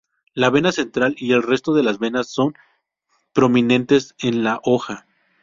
La vena central y el resto de las venas son prominentes en la hoja.